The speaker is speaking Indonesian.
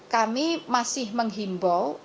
kami masih menghimbau